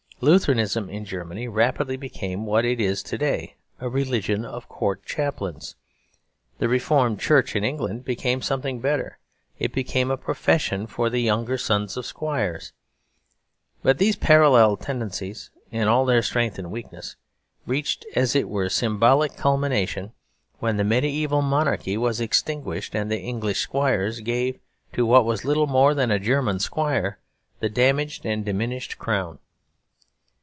Lutheranism in Germany rapidly became what it is to day a religion of court chaplains. The reformed church in England became something better; it became a profession for the younger sons of squires. But these parallel tendencies, in all their strength and weakness, reached, as it were, symbolic culmination when the mediæval monarchy was extinguished, and the English squires gave to what was little more than a German squire the damaged and diminished crown.